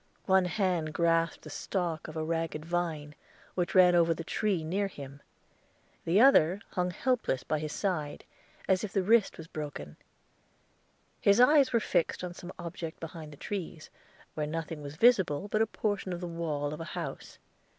One hand grasped the stalk of a ragged vine, which ran over the tree near him; the other hung helpless by his side, as if the wrist was broken. His eyes were fixed on some object behind the trees, where nothing was visible but a portion of the wall of a house.